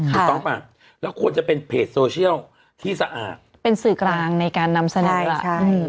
ถูกต้องป่ะแล้วควรจะเป็นเพจโซเชียลที่สะอาดเป็นสื่อกลางในการนำเสนอล่ะใช่